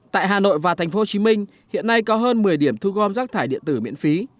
tại hà nội và tp hcm hiện nay có hơn một mươi điểm thu gom rác thải điện tử miễn phí